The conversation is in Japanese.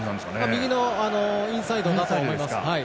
右のインサイドだと思います。